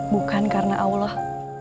bukan karena allah